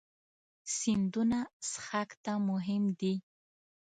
سیندونه څښاک ته مهم دي.